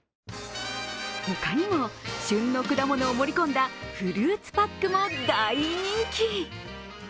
他にも、旬の果物を盛り込んだフルーツパックも大人気。